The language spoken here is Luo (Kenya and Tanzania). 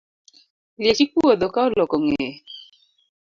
Liech ikuodho ka oloko ngeye